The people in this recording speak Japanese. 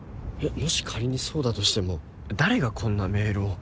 もし仮にそうだとしても誰がこんなメールを。